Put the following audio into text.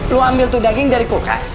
lu ambil tuh daging dari kulkas